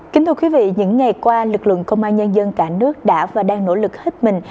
kính thưa quý vị những ngày qua lực lượng công an nhân dân cả nước đã và đang nỗ lực hết mình